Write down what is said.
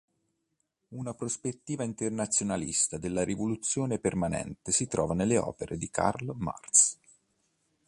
Una prospettiva internazionalista della rivoluzione permanente si trova nelle opere di Karl Marx.